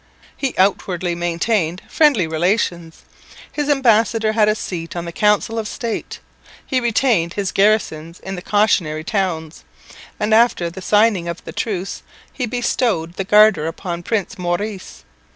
He outwardly maintained friendly relations; his ambassador had a seat on the Council of State; he retained his garrisons in the cautionary towns; and after the signing of the truce he bestowed the Garter upon Prince Maurice.